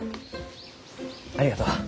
ありがとう。